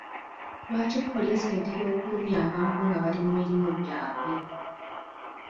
Lwaki poliisi etera okulumya abantu nga bali mu mirimu gyabwe?